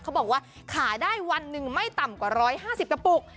เขาบอกว่าขายได้วันหนึ่งไม่ต่ำกว่า๑๕๐กระปุก